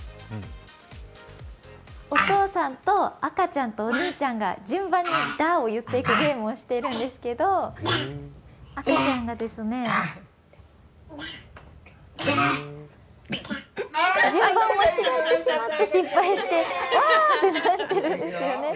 お父さんと赤ちゃんとお兄ちゃんが順番に「ダッ」を言っていくゲームをしてるんですけど赤ちゃんが順番を間違えてしまって失敗して、わーってなってるんですよね。